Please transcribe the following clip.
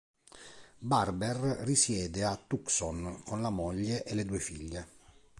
Barber risiede a Tucson con la moglie e le due figlie.